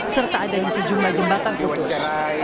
serta adanya sejumlah jembatan putus